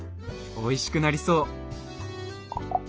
おいしくなりそう。